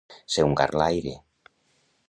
Ser un garlaire.